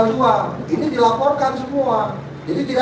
tidak ada magnusip